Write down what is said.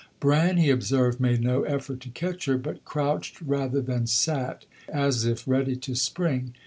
Bran, he observed, made no effort to catch her, but crouched rather than sat, as if ready to spring.